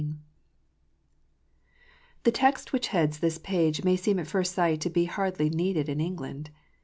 14. THE text which heads this page may seem at first sight to be hardly needed in England.